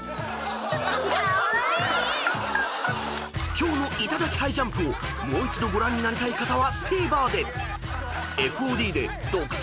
［今日の『いただきハイジャンプ』をもう一度ご覧になりたい方は］